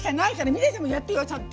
三谷さんもやってよ、ちゃんと。